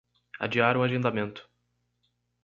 Adiar o agendamento